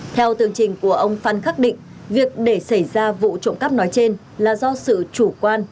theo tường trình của ông phan khắc định việc để xảy ra vụ trộm cắp nói trên là do sự chủ quan